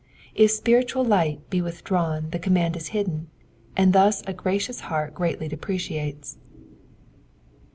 If spiritual light be with drawn the command is hidden, and this a gracious heart greatly deprecates.